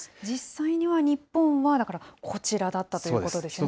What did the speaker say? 実際には日本は、だからこちらだったということですね。